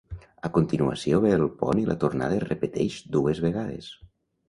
A continuació ve el pont i la tornada es repeteix dues vegades.